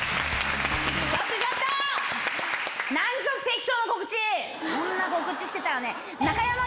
そんな告知してたらね。